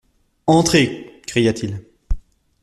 —«Entrez !» cria-t-il.